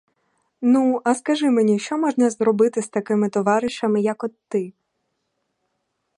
Ну, а скажи мені, що можна зробити з такими товаришами, як от ти?